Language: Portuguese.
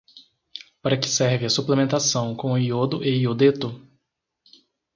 Para que serve a suplementação com iodo e iodeto?